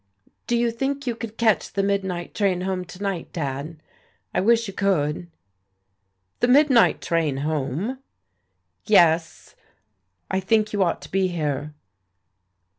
"Do you think you could catch the midnight train home to night, Dad? I wish you could." " The midnight train home !" "Yes. I think you ought to be here."